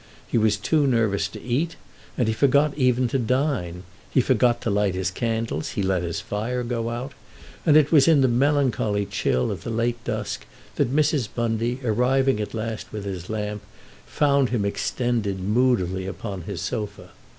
He was too nervous to eat, and he forgot even to dine; he forgot to light his candles, he let his fire go out, and it was in the melancholy chill of the late dusk that Mrs. Bundy, arriving at last with his lamp, found him extended moodily upon his sofa.